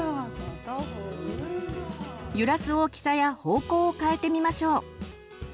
揺らす大きさや方向を変えてみましょう。